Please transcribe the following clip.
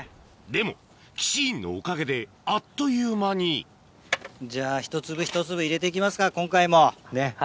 でもキシーンのおかげであっという間にじゃあひと粒ひと粒入れて行きますか今回もね。